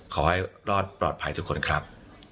ขอให้รอดปลอดภัยทุกคนครับ